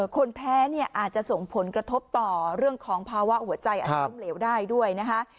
คนแพ้เนี่ยอาจจะส่งผลกระทบต่อเรื่องของภาวะหัวใจอาจจะล้มเหลวได้ด้วยนะคะ